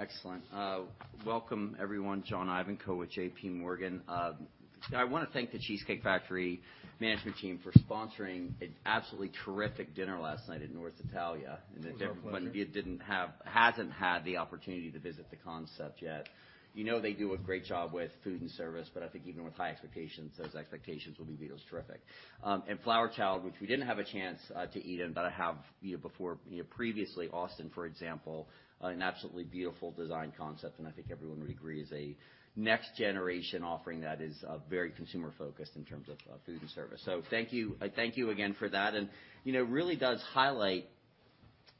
Excellent. Welcome everyone, John Ivankoe with JPMorgan. I wanna thank The Cheesecake Factory management team for sponsoring an absolutely terrific dinner last night at North Italia. It's our pleasure. If everyone hasn't had the opportunity to visit the concept yet. You know they do a great job with food and service, but I think even with high expectations, those expectations will be terrific. Flower Child, which we didn't have a chance to eat in, but I have, you know, before, you know, previously Austin, for example, an absolutely beautiful design concept, and I think everyone would agree is a next generation offering that is very consumer focused in terms of food and service. Thank you. I thank you again for that. You know, it really does highlight,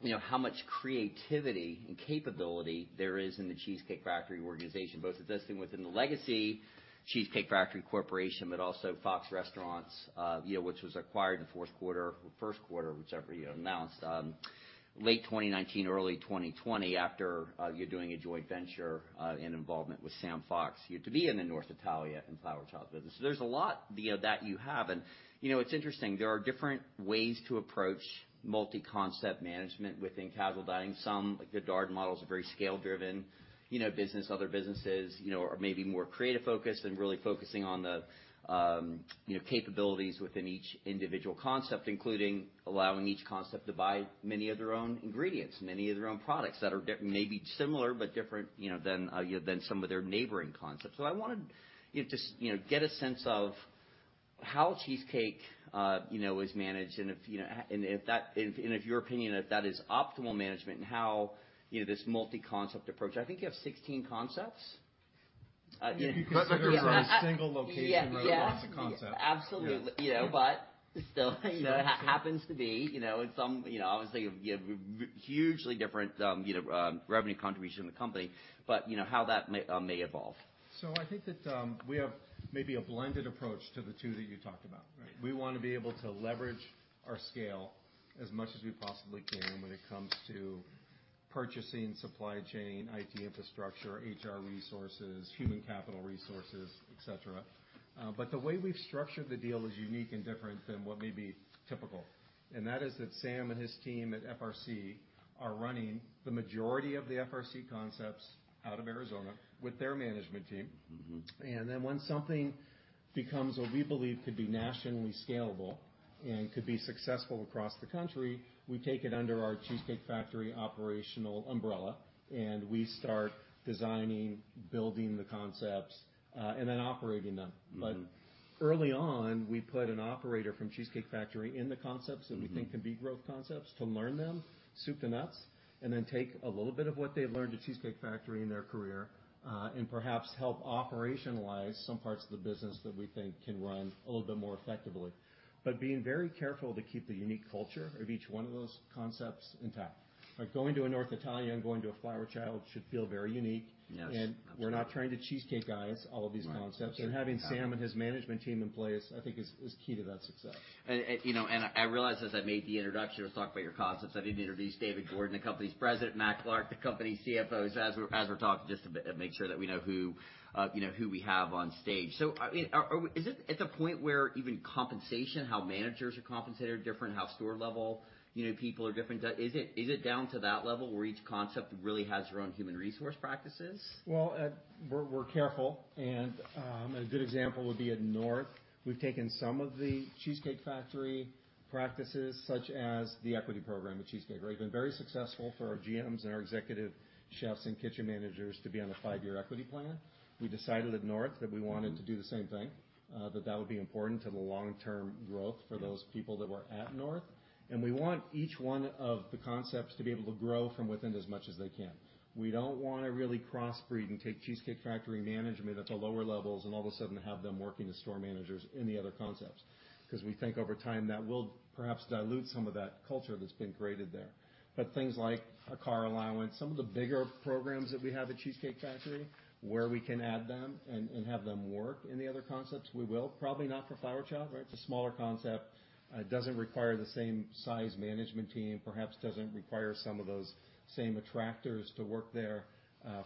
you know, how much creativity and capability there is in The Cheesecake Factory organization, both existing within the legacy Cheesecake Factory Corporation, but also Fox Restaurants, you know, which was acquired in the fourth quarter or first quarter, whichever you announced, late 2019, early 2020, after, you doing a joint venture, in involvement with Sam Fox. You're to be in the North Italia and Flower Child business. There's a lot via that you have and, you know, it's interesting, there are different ways to approach multi-concept management within casual dining. Some, like the Darden model, is a very scale driven, you know, business. Other businesses, you know, are maybe more creative focused and really focusing on the, you know, capabilities within each individual concept, including allowing each concept to buy many of their own ingredients, many of their own products that are maybe similar, but different, you know, than some of their neighboring concepts. I wanted, you know, just, you know, get a sense of how Cheesecake, you know, is managed and if, you know, and if your opinion, if that is optimal management and how, you know, this multi-concept approach. I think you have 16 concepts. If you consider every single location rather than just the concept. Absolutely. Yeah. You know, still, you know, happens to be, you know, in some, you know, obviously hugely different, you know, revenue contribution in the company, you know how that may evolve. I think that, we have maybe a blended approach to the two that you talked about. Right. We wanna be able to leverage our scale as much as we possibly can when it comes to purchasing, supply chain, IT infrastructure, HR resources, human capital resources, et cetera. The way we've structured the deal is unique and different than what may be typical. That is, that Sam and his team at FRC are running the majority of the FRC concepts out of Arizona with their management team. Once something becomes what we believe could be nationally scalable and could be successful across the country, we take it under our Cheesecake Factory operational umbrella, and we start designing, building the concepts, and then operating them. Early on, we put an operator from The Cheesecake Factory in the concepts that we think can be growth concepts to learn them soup to nuts, and then take a little bit of what they've learned at The Cheesecake Factory in their career, and perhaps help operationalize some parts of the business that we think can run a little bit more effectively. Being very careful to keep the unique culture of each one of those concepts intact. Like, going to a North Italia and going to a Flower Child should feel very unique. Yes. Absolutely. We're not trying to Cheesecakeize all of these concepts. Right. Yeah. Having Sam and his management team in place, I think is key to that success. You know, I realized as I made the introduction, let's talk about your concepts. I didn't introduce David Gordon, the company's president, Matt Clark, the company's CFO. As we're talking, just to make sure that we know, you know, who we have on stage. Is it at the point where even compensation, how managers are compensated are different, how store level, you know, people are different? Is it down to that level where each concept really has their own human resource practices? We're careful, and a good example would be at North. We've taken some of the Cheesecake Factory practices, such as the equity program at Cheesecake, where we've been very successful for our GMs and our executive chefs and kitchen managers to be on a five-year equity plan. We decided at North that we wanted to do the same thing that would be important to the long-term growth for those people that were at North. We want each one of the concepts to be able to grow from within as much as they can. We don't wanna really cross-breed and take Cheesecake Factory management at the lower levels and all of a sudden have them working as store managers in the other concepts, because we think over time that will perhaps dilute some of that culture that's been created there. Things like a car allowance, some of the bigger programs that we have at The Cheesecake Factory where we can add them and have them work in the other concepts, we will. Probably not for Flower Child, right? It's a smaller concept. Doesn't require the same size management team. Perhaps doesn't require some of those same attractors to work there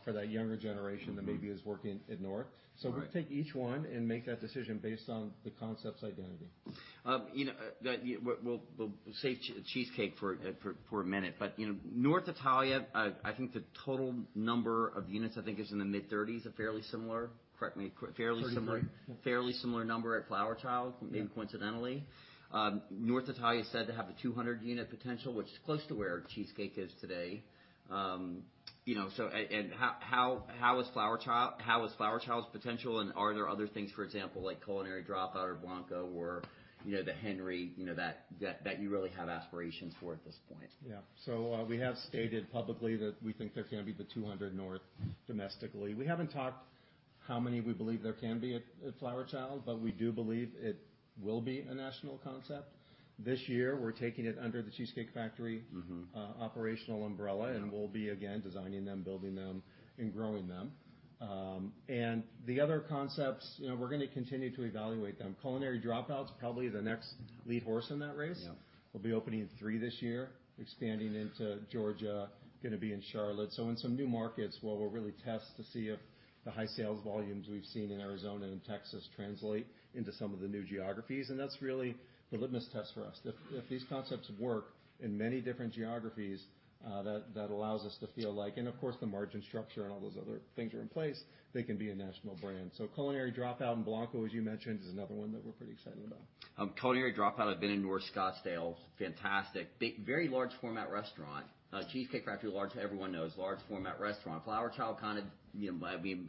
for that younger generation that maybe is working at North. Right. We take each one and make that decision based on the concept's identity. You know, that, we'll say Cheesecake for a minute, but, you know, North Italia, I think the total number of units, I think, is in the mid-30s, a fairly similar, correct me, fairly similar. 33. Yeah. Fairly similar number at Flower Child in coincidentally. North Italia is said to have a 200-unit potential, which is close to where Cheesecake is today. you know, how is Flower Child, how is Flower Child's potential and are there other things, for example, like Culinary Dropout or Blanco or, you know, The Henry, you know, that you really have aspirations for at this point? Yeah. we have stated publicly that we think there can be the 200 North Italia domestically. We haven't talked how many we believe there can be at Flower Child. We do believe it will be a national concept. This year, we're taking it under The Cheesecake Factory operational umbrella Yeah. We'll be again designing them, building them, and growing them. The other concepts, you know, we're gonna continue to evaluate them. Culinary Dropout, probably the next lead horse in that race. Yeah. We'll be opening three this year, expanding into Georgia, gonna be in Charlotte. In some new markets, where we'll really test to see if the high sales volumes we've seen in Arizona and Texas translate into some of the new geographies. That's really the litmus test for us. If these concepts work in many different geographies, that allows us to feel like, and of course, the margin structure and all those other things are in place, they can be a national brand. Culinary Dropout and Blanco, as you mentioned, is another one that we're pretty excited about. Culinary Dropout, I've been in North Scottsdale. Fantastic. Big, very large format restaurant. Cheesecake Factory, large, everyone knows, large format restaurant. Flower Child, kinda, you know, I mean,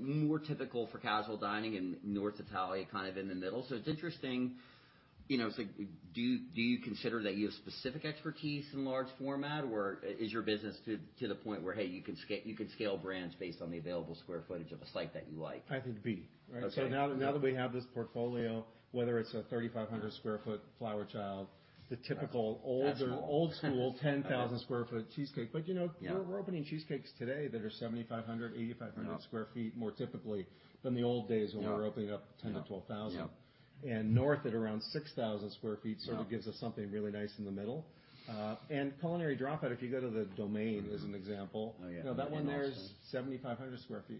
more typical for casual dining and North Italia kind of in the middle. It's interesting, you know, do you consider that you have specific expertise in large format or is your business to the point where, hey, you can scale brands based on the available square footage of a site that you like? I think B, right? Okay. Now that we have this portfolio, whether it's a 3,500 sq ft Flower Child, the typical older- National. old school 10,000 sq ft Cheesecake, but you know. Yeah. We're opening Cheesecakes today that are 7,500 sq ft, 8,500 sq ft, more typically than the old days when we were opening up 10,000 sq ft-12,000 sq ft North at around 6,000 sq ft sort of gives us something really nice in the middle. Culinary Dropout, if you go to the Domain, as an example. Oh, yeah. That one there is 7,500 sq ft.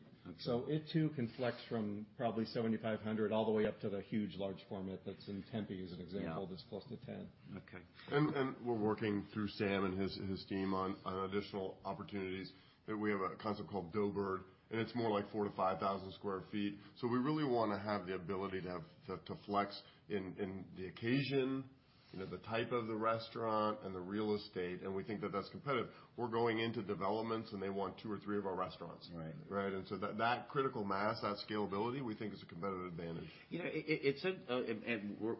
Okay. It too can flex from probably 7,500 sq ft all the way up to the huge large format that's in Tempe, as an example. Yeah. That's close to 10. Okay. We're working through Sam and his team on additional opportunities that we have a concept called Doughbird, and it's more like 4,000 sq ft-5,000 sq ft. We really wanna have the ability to flex in the occasion, you know, the type of the restaurant and the real estate, and we think that that's competitive. We're going into developments, and they want two or three of our restaurants. Right. Right? That critical mass, that scalability, we think is a competitive advantage. You know,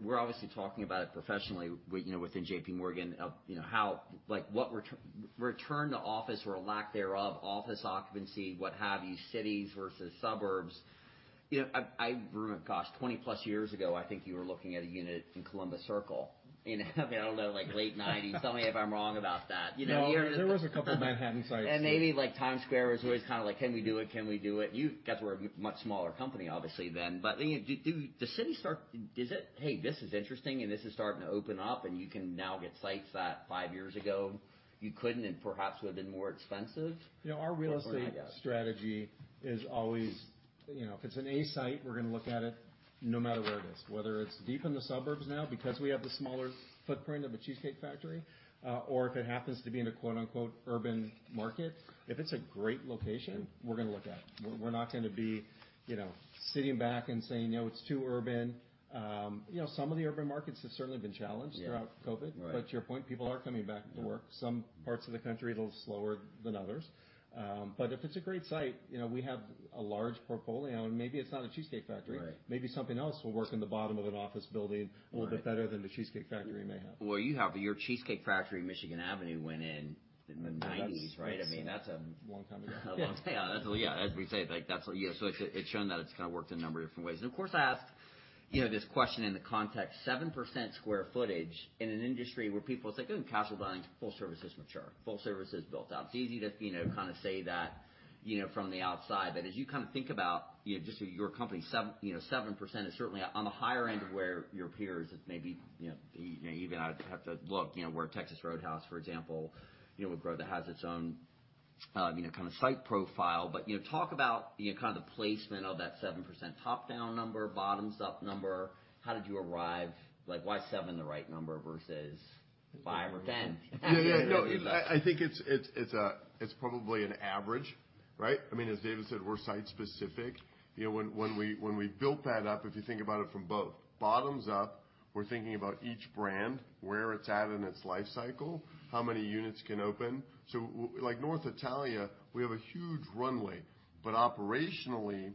we're obviously talking about it professionally, you know, within JPMorgan, of, you know, how. Like, what return to office or a lack thereof, office occupancy, what have you, cities versus suburbs. You know, I remember gosh, 20+ years ago, I think you were looking at a unit in Columbus Circle in. I mean, I don't know, like late nineties. Tell me if I'm wrong about that. You know. No, there was a couple of Manhattan sites. Maybe like Times Square was always kinda like, "Can we do it? Can we do it?" You guys were a much smaller company obviously then. You know, do the city start. Is it, "Hey, this is interesting, and this is starting to open up," and you can now get sites that five years ago you couldn't and perhaps would've been more expensive? You know, our real estate strategy is always, you know, if it's an A site, we're gonna look at it no matter where it is. Whether it's deep in the suburbs now because we have the smaller footprint of a Cheesecake Factory, or if it happens to be in a quote, unquote, "urban market," if it's a great location, we're gonna look at it. We're not gonna be, you know, sitting back and saying, "No, it's too urban." You know, some of the urban markets have certainly been challenged throughout COVID. Right. To your point, people are coming back to work. Some parts of the country a little slower than others. If it's a great site, you know, we have a large portfolio, and maybe it's not a Cheesecake Factory. Right. Maybe something else will work in the bottom of an office building a little bit better than The Cheesecake Factory may have. Well, you have. Your Cheesecake Factory, Michigan Avenue, went in the mid-90s, right? Right. I mean, that's. Long time ago. A long time, yeah. That's a, yeah, as we say, like that's what. Yeah, so it's shown that it's kinda worked in a number of different ways. Of course I ask, you know, this question in the context, 7% square footage in an industry where people say, "Oh, casual dining, full service is mature, full service is built out." It's easy to, you know, kinda say that, you know, from the outside. As you kind of think about, you know, just your company, you know, 7% is certainly on the higher end of where your peers is maybe, you know, even I'd have to look, you know, where Texas Roadhouse, for example, you know, would grow. That has its own, you know, kind of site profile. You know, talk about, you know, kind of the placement of that 7% top-down number, bottoms-up number. How did you arrive? Like, why 7% the right number versus 5% or 10%? Yeah, yeah. No, I think it's a, it's probably an average, right? I mean, as David said, we're site specific. You know, when we built that up, if you think about it from both bottoms up, we're thinking about each brand, where it's at in its life cycle, how many units can open. So like North Italia, we have a huge runway. But operationally,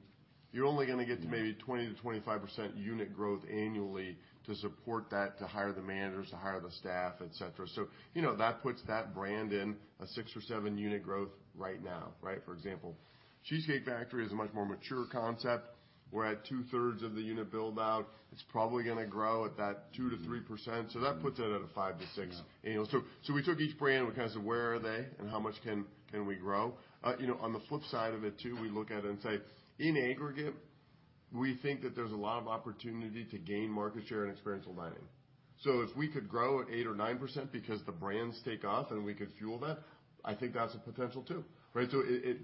you're only gonna get to maybe 20%-25% unit growth annually to support that, to hire the managers, to hire the staff, et cetera. You know, that puts that brand in a 6% or 7% unit growth right now, right? For example, Cheesecake Factory is a much more mature concept. We're at two-thirds of the unit build-out. It's probably gonna grow at that 2%-3%. That puts it at a 5% to 6% annual. We took each brand. We kind of said, where are they, and how much can we grow? You know, on the flip side of it too, we look at it and say, in aggregate, we think that there's a lot of opportunity to gain market share and experiential dining. If we could grow at 8% or 9% because the brands take off and we could fuel that, I think that's a potential too, right?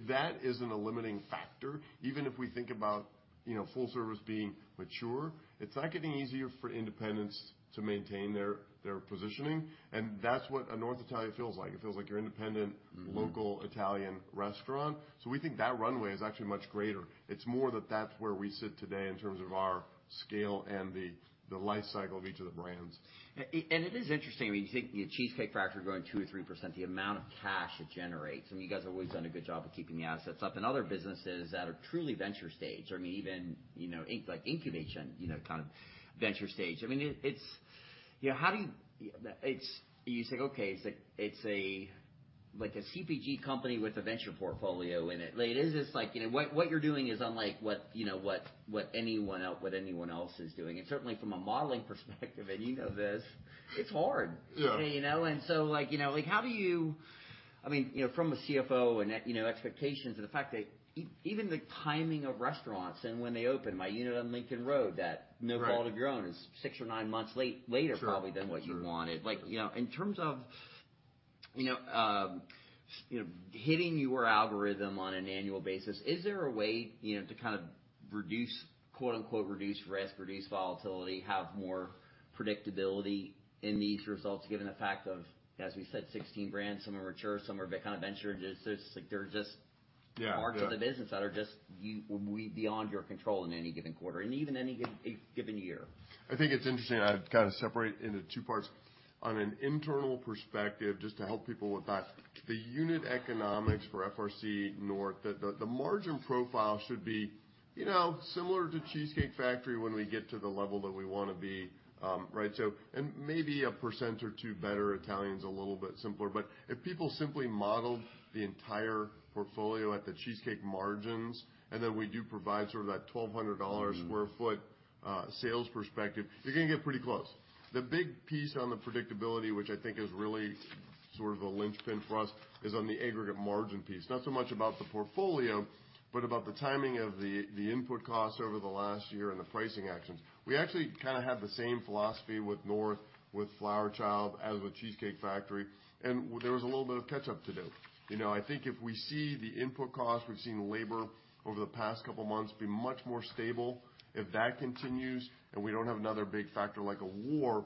That isn't a limiting factor. Even if we think about, you know, full service being mature, it's not getting easier for independents to maintain their positioning, and that's what a North Italia feels like. It feels like your independent local Italian restaurant. We think that runway is actually much greater. It's more that that's where we sit today in terms of our scale and the life cycle of each of the brands. It is interesting. I mean, you take The Cheesecake Factory growing 2% or 3%, the amount of cash it generates. I mean, you guys have always done a good job of keeping the assets up. In other businesses that are truly venture stage, I mean even, you know, like incubation, you know, kind of venture stage. I mean, it's. You know, how do you? It's, you say, okay, it's a, like a CPG company with a venture portfolio in it. Like, it is just like, you know, what you're doing is unlike what, you know, what anyone else is doing. Certainly from a modeling perspective, and you know this, it's hard. Yeah. You know? Like, you know, like, how do you... I mean, you know, from a CFO and, you know, expectations and the fact that even the timing of restaurants and when they open, my unit on Lincoln Road, that No Fault of Your Own is six or nine months later. Sure. -probably than what you wanted. Like, you know, in terms of, you know, you know, hitting your algorithm on an annual basis, is there a way, you know, to kind of "reduce risk," reduce volatility, have more predictability in these results, given the fact of, as we said, 16 brands, some are mature, some are kind of venture? There's just, like they're just parts of the business that are beyond your control in any given quarter and even any given year. I think it's interesting. I've gotta separate it into two parts. On an internal perspective, just to help people with that, the unit economics for FRC North, the margin profile should be, you know, similar to The Cheesecake Factory when we get to the level that we wanna be, right. Maybe 1% or 2% better. Italian's a little bit simpler. If people simply modeled the entire portfolio at The Cheesecake margins, and then we do provide sort of that $1,200 sq ft sales perspective, you're gonna get pretty close. The big piece on the predictability, which I think is really sort of the linchpin for us, is on the aggregate margin piece, not so much about the portfolio, but about the timing of the input costs over the last year and the pricing actions. We actually kinda have the same philosophy with North, with Flower Child, as with Cheesecake Factory. There was a little bit of catch-up to do. You know, I think if we see the input costs, we've seen labor over the past couple months be much more stable. If that continues and we don't have another big factor like a war,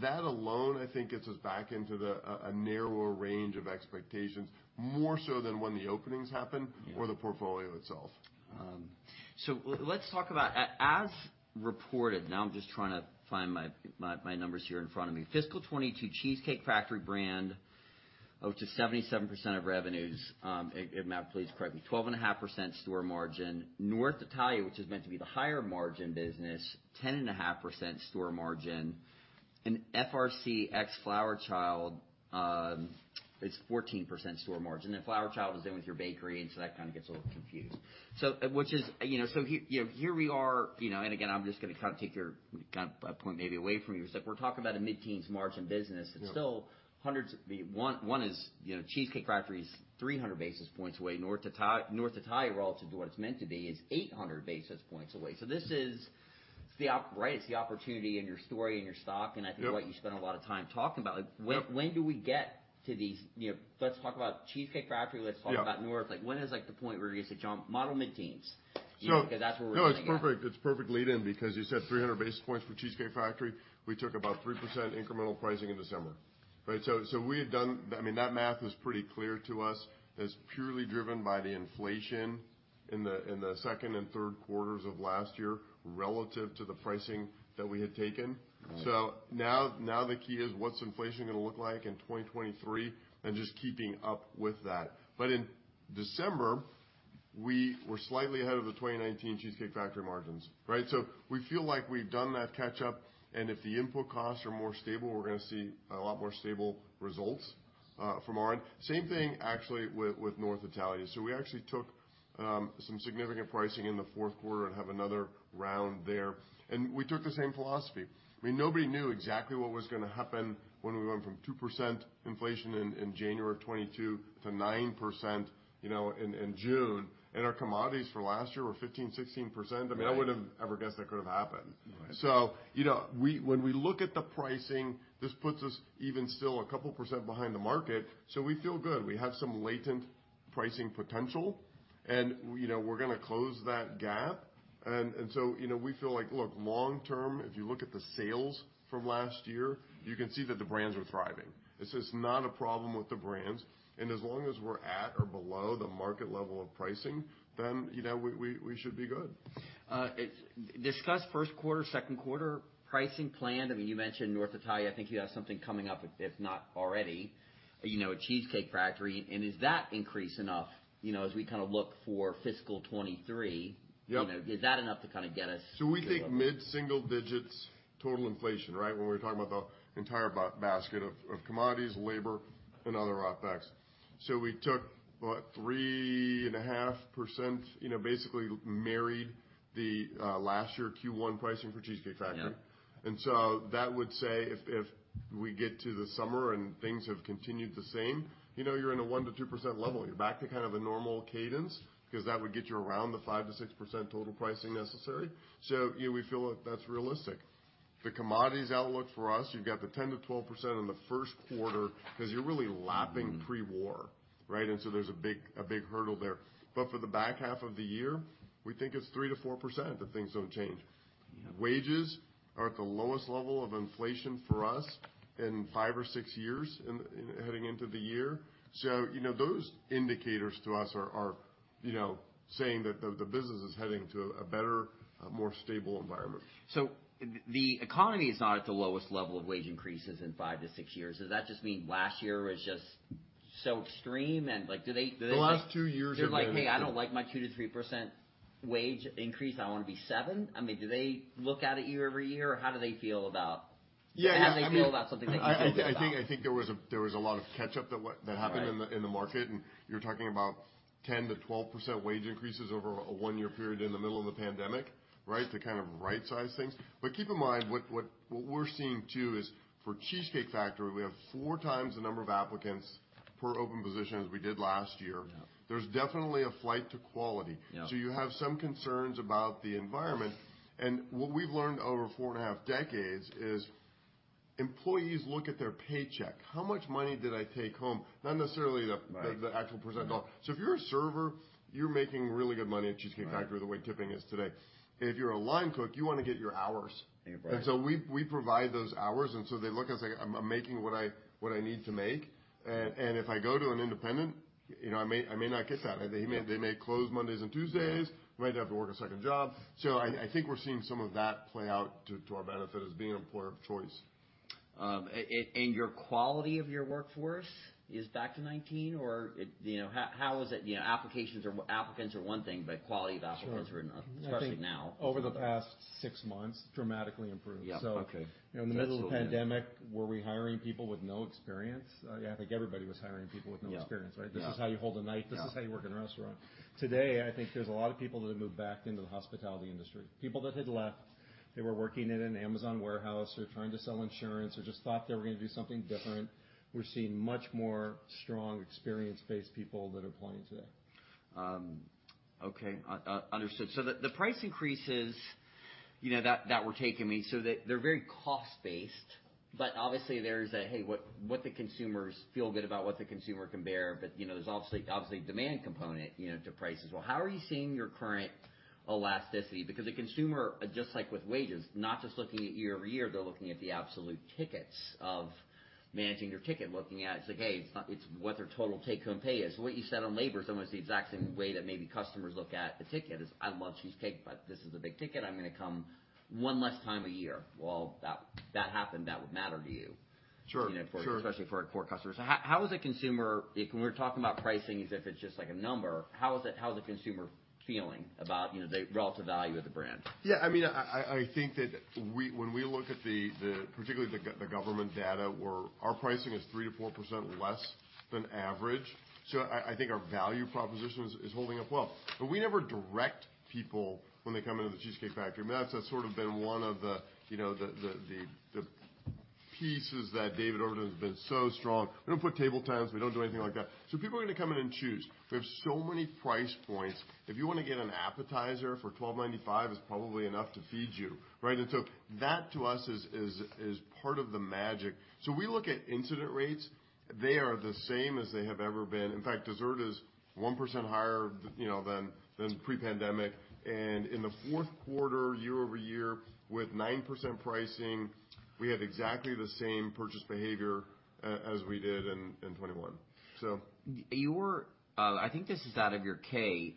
that alone, I think, gets us back into the a narrower range of expectations, more so than when the openings happen the portfolio itself. Let's talk about as reported, now I'm just trying to find my numbers here in front of me. Fiscal 2022, The Cheesecake Factory brand, it's at 77% of revenues. If Matt please correct me, 12.5% store margin. North Italia, which is meant to be the higher margin business, 10.5% store margin. FRC ex-Flower Child, it's 14% store margin. Flower Child is in with your bakery, that kinda gets a little confused. You know, here, you know, here we are, you know, again, I'm just gonna kinda point maybe away from you, is like we're talking about a mid-teens margin business. Yeah. One is, you know, The Cheesecake Factory is 300 basis points away. North Italia, relative to what it's meant to be, is 800 basis points away. This is the right? It's the opportunity in your story and your stock. Yeah. What you spend a lot of time talking about. Yeah. When do we get to these? You know, let's talk about The Cheesecake Factory, let's talk about North. Yeah. Like, when is like the point where you say, "John, model mid-teens," you know, 'cause that's where we're gonna go. No, it's perfect. It's perfect lead-in, because you said 300 basis points for The Cheesecake Factory. We took about 3% incremental pricing in December, right? I mean, that math was pretty clear to us as purely driven by the inflation in the second and third quarters of last year relative to the pricing that we had taken. Right. The key is what's inflation going to look like in 2023, and just keeping up with that. In December, we were slightly ahead of the 2019 Cheesecake Factory margins, right? We feel like we've done that catch up, and if the input costs are more stable, we're going to see a lot more stable results from our end. Same thing actually with North Italia. We actually took some significant pricing in the fourth quarter and have another round there. We took the same philosophy. I mean, nobody knew exactly what was going to happen when we went from 2% inflation in January of 2022 to 9%, you know, in June. Our commodities for last year were 15%-16%. Right. I mean, I wouldn't have ever guessed that could have happened. Right. You know, when we look at the pricing, this puts us even still a couple of percent behind the market, so we feel good. We have some latent pricing potential and, you know, we're gonna close that gap. You know, we feel like, look, long term, if you look at the sales from last year, you can see that the brands are thriving. This is not a problem with the brands. As long as we're at or below the market level of pricing, then, you know, we should be good. Discuss first quarter, second quarter pricing plan. I mean, you mentioned North Italia. I think you have something coming up, if not already, you know, at The Cheesecake Factory. Is that increase enough, you know, as we kinda look for fiscal 2023? Yep. You know, is that enough to kinda get us to where we want to go? We think mid-single digits total inflation, right? When we're talking about the entire basket of commodities, labor and other OpEx. We took, what, 3.5%, you know, basically married the last year Q1 pricing for The Cheesecake Factory. Yeah. That would say if we get to the summer and things have continued the same, you know you're in a 1%-2% level. You're back to kind of a normal cadence, 'cause that would get you around the 5%-6% total pricing necessary. You know, we feel that that's realistic. The commodities outlook for us, you've got the 10%-12% in the first quarter 'cause you're really lapping pre-war, right? There's a big hurdle there. For the back half of the year, we think it's 3%-4% if things don't change. Yeah. Wages are at the lowest level of inflation for us in five or six years in heading into the year. You know, those indicators to us are, you know, saying that the business is heading to a better, a more stable environment. The economy is not at the lowest level of wage increases in five to six years. Does that just mean last year was just so extreme? Like, do they say? The last two years have been- They're like, "Hey, I don't like my 2%-3% wage increase. I wanna be 7%." I mean, do they look at it year-over-year, or how do they feel about- Yeah. How do they feel about something like this? I think there was a lot of catch-up. Right. That happened in the, in the market. You're talking about 10%-12% wage increases over a one-year period in the middle of the pandemic, right? To kind of right-size things. Keep in mind, what we're seeing too is for The Cheesecake Factory, we have 4 times the number of applicants per open position as we did last year. Yeah. There's definitely a flight to quality. Yeah. You have some concerns about the environment. What we've learned over 4.5 decades is employees look at their paycheck. How much money did I take home? Not necessarily the actual percent off. If you're a server, you're making really good money at Cheesecake Factory the way tipping is today. If you're a line cook, you wanna get your hours. Yeah, right. We provide those hours, and so they look and say, "I'm making what I need to make. And if I go to an independent, you know, I may not get that. They may close Mondays and Tuesdays.Might have to work a second job. I think we're seeing some of that play out to our benefit as being employer of choice. Your quality of your workforce is back to 19 or, you know, how is it? You know, applications or applicants are one thing, but quality of applicants are another, especially now. I think over the past six months, dramatically improved. Yeah. Okay. You know, in the middle of the pandemic, were we hiring people with no experience? Yeah, I think everybody was hiring people with no experience, right? Yeah. Yeah. This is how you hold a knife. Yeah. This is how you work in a restaurant. Today, I think there's a lot of people that have moved back into the hospitality industry. People that had left, they were working in an Amazon warehouse or trying to sell insurance or just thought they were gonna do something different. We're seeing much more strong, experienced-based people that are applying today. Okay. Understood. The price increases, you know, that we're taking, I mean, they're very cost-based, obviously there's what the consumers feel good about, what the consumer can bear. You know, there's obviously demand component, you know, to price as well. How are you seeing your current elasticity? The consumer, just like with wages, not just looking at year over year, they're looking at the absolute tickets of managing their ticket, looking at it's like, hey, it's what their total take-home pay is. What you said on labor is almost the exact same way that maybe customers look at the ticket, is I love cheesecake, but this is a big ticket. I'm gonna come one less time a year. That happened, that would matter to you. Sure. You know, for, especially for our core customers. How is a consumer, when we're talking about pricing as if it's just like a number, how is the consumer feeling about, you know, the relative value of the brand? Yeah, I mean, I think that when we look at the particularly the government data, our pricing is 3%-4% less than average. I think our value proposition is holding up well. We never direct people when they come into The Cheesecake Factory. I mean, that's just sort of been one of the, you know, the pieces that David Overton has been so strong. We don't put table times, we don't do anything like that. People are gonna come in and choose. We have so many price points. If you wanna get an appetizer for $12.95, it's probably enough to feed you, right? That to us is part of the magic. We look at incident rates, they are the same as they have ever been. In fact, dessert is 1% higher you know, than pre-pandemic. In the fourth quarter, year-over-year, with 9% pricing, we have exactly the same purchase behavior as we did in 2021. Your, I think this is out of your K.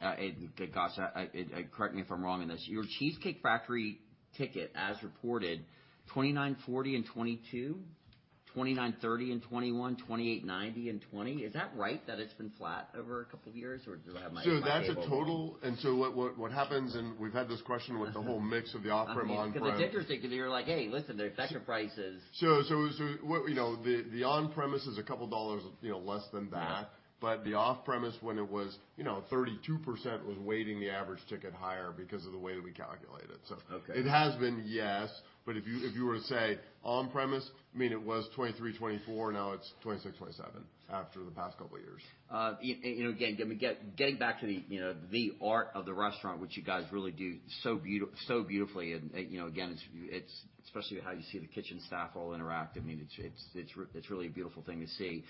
Correct me if I'm wrong in this. Your Cheesecake Factory ticket as reported, $29.40 in 2022, $29.30 in 2021, $28.90 in 2020. Is that right that it's been flat over a couple of years, or do I have my table wrong? That's a total. What happens, and we've had this question with the whole mix of the off-premise and on-premise. I mean, because it's interesting because you're like, "Hey, listen, the effective price is... What, you know, the on-premise is a couple of dollars, you know, less than that. Yeah. The off-premise, when it was, you know, 32% was weighting the average ticket higher because of the way that we calculate it. Okay. It has been, yes. If you were to say on-premise, I mean, it was 23%, 24%, now it's 26%, 27% after the past couple of years. You know, again, getting back to the, you know, the art of the restaurant, which you guys really do so beautifully. You know, again, it's especially how you see the kitchen staff all interact. I mean, it's really a beautiful thing to see.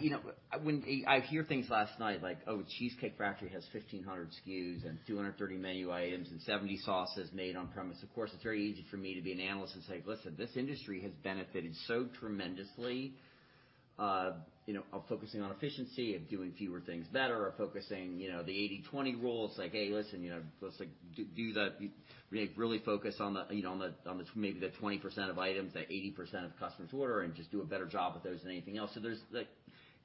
You know, when I hear things last night like, oh, The Cheesecake Factory has 1,500 SKUs and 230 menu items and 70 sauces made on-premise, of course, it's very easy for me to be an analyst and say, "Listen, this industry has benefited so tremendously, you know, on focusing on efficiency, of doing fewer things better, or focusing, you know, the 80/20 rule." It's like, "Hey, listen, you know, let's, like, really focus on the, you know, on the, on the, maybe the 20% of items that 80% of customers order and just do a better job with those than anything else." There's like...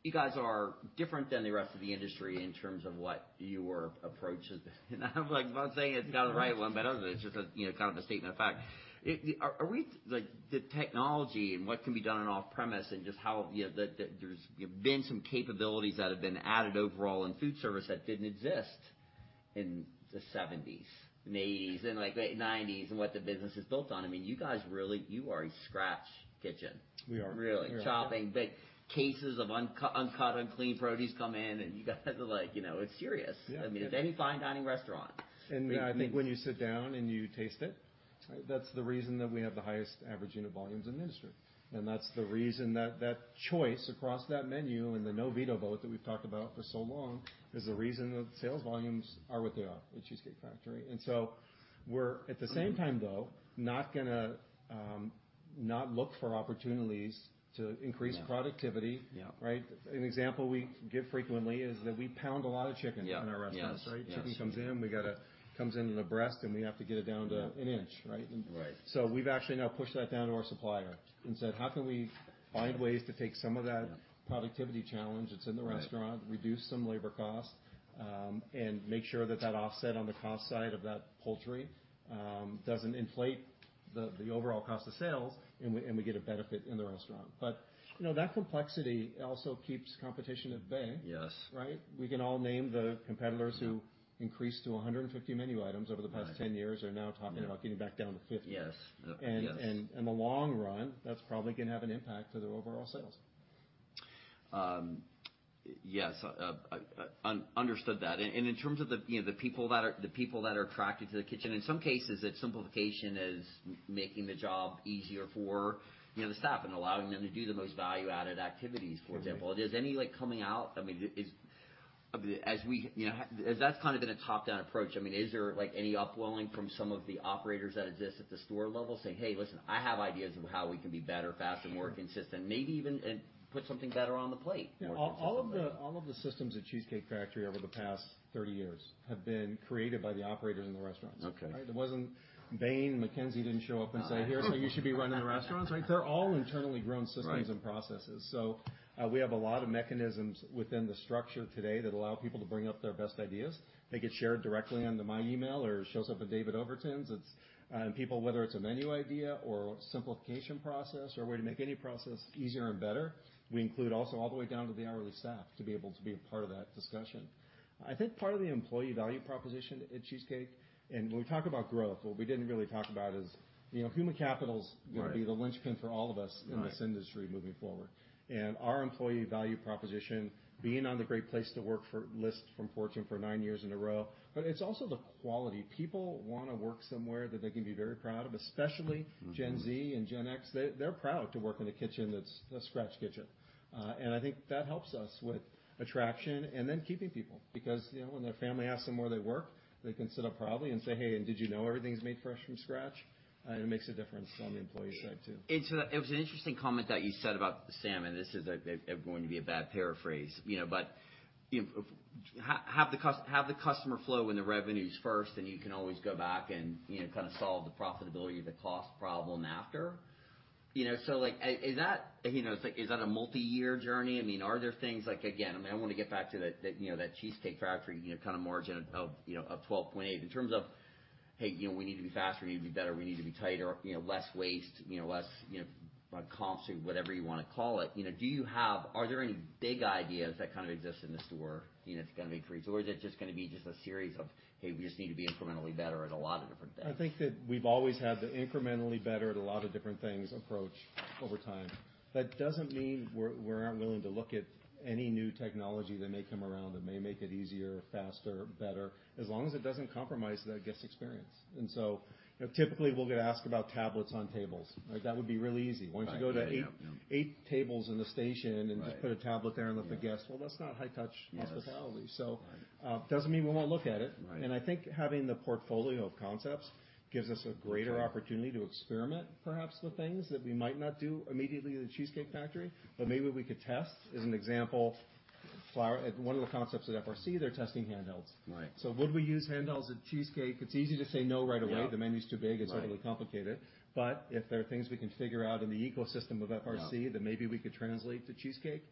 You guys are different than the rest of the industry in terms of what your approach has been. I'm like, I'm not saying it's not the right one, but other than it's just a, you know, kind of a statement of fact. Are we? The technology and what can be done on off-premise and just how, you know, the there's been some capabilities that have been added overall in food service that didn't exist in the seventies, eighties, and like the nineties and what the business is built on. I mean, you guys really, you are a scratch kitchen. We are. Really. We are. Chopping big cases of uncut, unclean produce come in. You guys are like, you know, it's serious. Yeah. Yeah. I mean, it's any fine dining restaurant. I think when you sit down and you taste it, that's the reason that we have the highest average unit volumes in the industry. That's the reason that that choice across that menu and the no-veto vote that we've talked about for so long is the reason that sales volumes are what they are at The Cheesecake Factory. We're at the same time, though, not gonna not look for opportunities to increase productivity. Yeah. Yeah. Right? An example we give frequently is that we pound a lot of chicken in our restaurants, right? Yeah. Yes. Chicken comes in, comes in in a breast, and we have to get it down to an inch, right? Right. We've actually now pushed that down to our supplier and said, "How can we find ways to take some of that productivity challenge that's in the restaurant, reduce some labor cost, and make sure that that offset on the cost side of that poultry, doesn't inflate the overall cost of sales, and we get a benefit in the restaurant?" You know, that complexity also keeps competition at bay. Yes. Right? We can all name the competitors who increased to 150 menu items over the past 10 years are now talking about getting back down to 50. Yes. In the long run, that's probably gonna have an impact to their overall sales. Yes. understood that. In terms of the, you know, the people that are attracted to the kitchen, in some cases, it's simplification is making the job easier for, you know, the staff and allowing them to do the most value-added activities, for example. Is any like coming out? I mean, as we, you know, as that's kind of been a top-down approach, I mean, is there, like, any upwelling from some of the operators that exist at the store level saying, "Hey, listen, I have ideas of how we can be better, faster, more consistent, maybe even, and put something better on the plate. All of the systems at The Cheesecake Factory over the past 30 years have been created by the operators in the restaurants. Okay. It wasn't Bain, McKinsey didn't show up and say, "Here's how you should be running the restaurants." Like, they're all internally grown systems and processes. Right. We have a lot of mechanisms within the structure today that allow people to bring up their best ideas. They get shared directly under my email or it shows up in David Overton's. It's, and people, whether it's a menu idea or a simplification process or a way to make any process easier and better, we include also all the way down to the hourly staff to be able to be a part of that discussion. I think part of the employee value proposition at Cheesecake, and when we talk about growth, what we didn't really talk about is, you know, human capital's gonna be the linchpin for all of us in this industry moving forward. Our employee value proposition, being on the great place to work for list from Fortune for nine years in a row. It's also the quality. People wanna work somewhere that they can be very proud of, especially Gen Z and Gen X, they're proud to work in a kitchen that's a scratch kitchen. I think that helps us with attraction and then keeping people, because, you know, when their family asks them where they work, they can sit up proudly and say, "Hey, did you know everything's made fresh from scratch?" It makes a difference on the employee side, too. It was an interesting comment that you said about Sam, and this is going to be a bad paraphrase, you know, but have the customer flow and the revenues first, and you can always go back and, you know, kind of solve the profitability or the cost problem after. Is that, you know, like, is that a multi-year journey? I mean, are there things like, again, I mean, I want to get back to that, you know, that The Cheesecake Factory, you know, kind of margin of, you know, of 12.8%. In terms of, hey, you know, we need to be faster, we need to be better, we need to be tighter, you know, less waste, you know, less, you know, comp, whatever you wanna call it. You know, Are there any big ideas that kind of exist in the store? You know, it's gonna increase or is it just gonna be just a series of, hey, we just need to be incrementally better at a lot of different things? I think that we've always had the incrementally better at a lot of different things approach over time. That doesn't mean we aren't willing to look at any new technology that may come around that may make it easier, faster, better, as long as it doesn't compromise the guest experience. You know, typically we'll get asked about tablets on tables. Like, that would be really easy. Why don't you go to eight tables in the station and just put a tablet there and let the guests... Well, that's not high-touch hospitality. Yes. Doesn't mean we won't look at it. Right. I think having the portfolio of concepts gives us a greater opportunity to experiment perhaps the things that we might not do immediately at The Cheesecake Factory, but maybe we could test. As an example, One of the concepts at FRC, they're testing handhelds. Right. Would we use handhelds at Cheesecake? It's easy to say no right away. Yeah. The menu's too big. Right. It's overly complicated. If there are things we can figure out in the ecosystem of FRC that maybe we could translate to Cheesecake,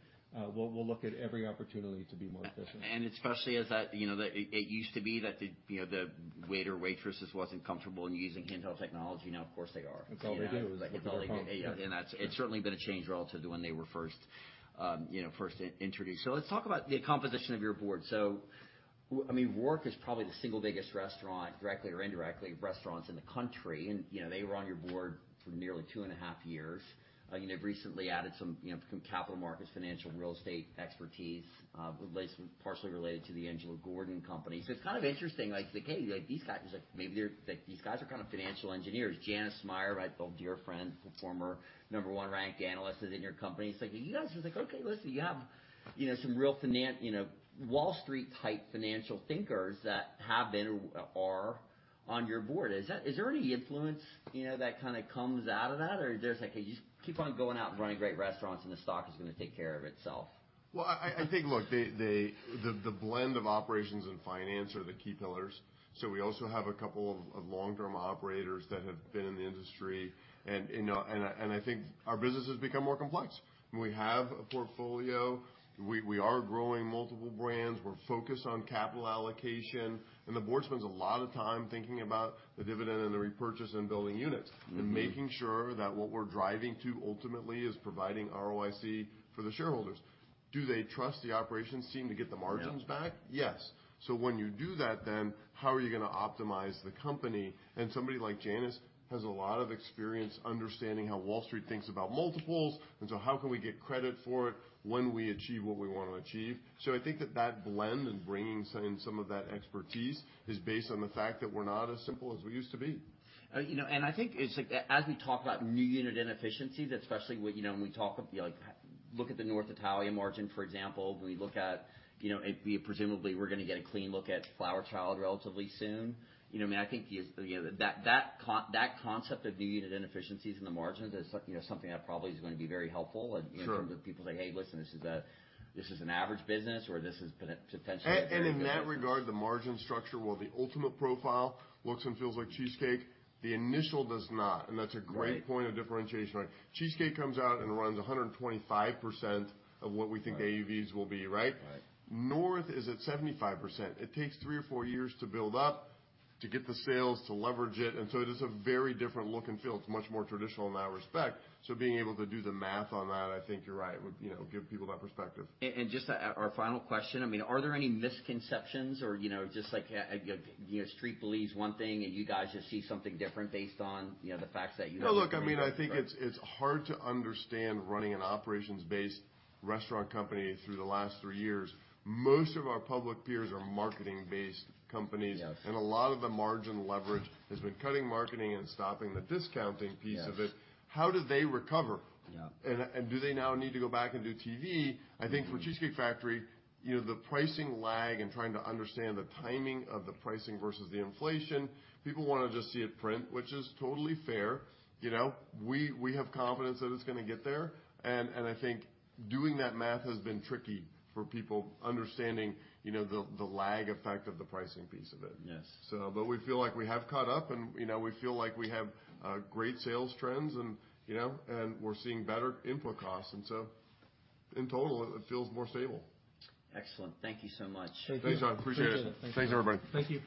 we'll look at every opportunity to be more efficient. Especially as that, you know, it used to be, you know, the waiter, waitresses wasn't comfortable in using handheld technology. Now, of course, they are. That's all they do is look at the phone. Yeah. That's certainly been a change relative to when they were first, you know, first introduced. Let's talk about the composition of your board. I mean, Roark is probably the single biggest restaurant, directly or indirectly, restaurants in the country. You know, they were on your board for nearly two and a half years. You know, recently added some, you know, capital markets, financial, real estate expertise, related, partially related to the Angelo Gordon company. It's kind of interesting, like, okay, these guys, like, maybe they're like these guys are kind of financial engineers. Janice Meyer, right, the dear friend, former number one ranked analyst within your company. It's like you guys are like, okay, listen, you have, some real Wall Street type financial thinkers that have been or are on your board. Is that... Is there any influence, you know, that kind of comes out of that? There's like, hey, just keep on going out and running great restaurants and the stock is gonna take care of itself. Well, I think, look, the blend of operations and finance are the key pillars. We also have a couple of long-term operators that have been in the industry. You know, and I, and I think our business has become more complex. We have a portfolio, we are growing multiple brands. We're focused on capital allocation, the board spends a lot of time thinking about the dividend and the repurchase and building units. Making sure that what we're driving to ultimately is providing ROIC for the shareholders. Do they trust the operations team to get the margins back? Yeah. Yes. When you do that, then how are you gonna optimize the company? Somebody like Janice has a lot of experience understanding how Wall Street thinks about multiples, how can we get credit for it when we achieve what we want to achieve? I think that that blend and bringing in some of that expertise is based on the fact that we're not as simple as we used to be. You know, I think it's like as we talk about new unit inefficiencies, especially, you know, when we talk like look at the North Italia margin, for example. We look at, you know, presumably we're gonna get a clean look at Flower Child relatively soon. You know, I mean, I think, you know, that concept of new unit inefficiencies in the margins is, you know, something that probably is gonna be very helpful. Sure. People say, "Hey, listen, this is an average business or this is potentially a very good business. In that regard, the margin structure, while the ultimate profile looks and feels like Cheesecake, the initial does not. Right. That's a great point of differentiation. Cheesecake comes out and runs 125% of what we think AUVs will be, right? Right. North is at 75%. It takes three or four years to build up, to get the sales, to leverage it is a very different look and feel. It's much more traditional in that respect. Being able to do the math on that, I think you're right, would, you know, give people that perspective. Just our final question, I mean, are there any misconceptions or, you know, just like, you know, Street believes one thing and you guys just see something different based on, you know, the facts that you have? No, look, I mean, I think it's hard to understand running an operations-based restaurant company through the last three years. Most of our public peers are marketing-based companies. Yes. A lot of the margin leverage has been cutting marketing and stopping the discounting piece of it. Yes. How do they recover? Yeah. Do they now need to go back and do TV?I think for The Cheesecake Factory, you know, the pricing lag and trying to understand the timing of the pricing versus the inflation, people wanna just see it print, which is totally fair. You know, we have confidence that it's gonna get there. I think doing that math has been tricky for people understanding, you know, the lag effect of the pricing piece of it. Yes. We feel like we have caught up and, you know, we feel like we have great sales trends and, you know, and we're seeing better input costs and so in total it feels more stable. Excellent. Thank you so much. Thanks, John. Appreciate it. Thank you. Thanks, everybody. Thank you.